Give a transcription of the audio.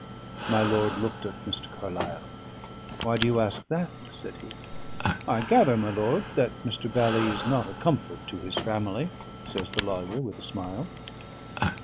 My lord looked at Mr. Carlyle. "Why do you ask that?" said he. "I gather, my lord, that Mr. Bally is not a comfort to his family," says the lawyer, with a smile.